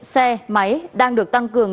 xe máy đang được tăng cường